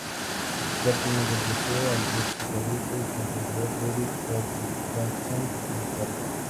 Larkin reemplazó al ex guitarrista y cofundador, Eric Erlandson en guitarra.